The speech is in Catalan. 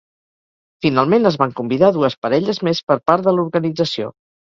Finalment es van convidar dues parelles més per part de l'organització.